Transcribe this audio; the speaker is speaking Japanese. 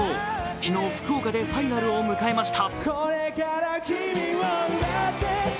昨日、福岡でファイナルを迎えました。